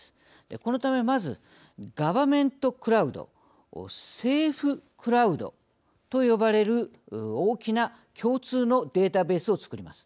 このためまずガバメントクラウド政府クラウドと呼ばれる大きな共通のベータベースをつくります。